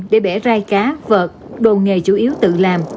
để bẻ rai cá vợt đồn nghề chủ yếu tự làm